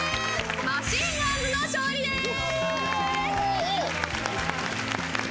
マシンガンズの勝利です。